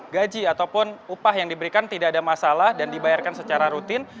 gaji ataupun upah yang diberikan tidak ada masalah dan dibayarkan secara rutin